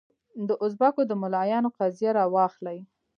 د اوزبکو د ملایانو قضیه راواخلې.